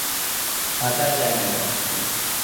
সাঁতার জানি না!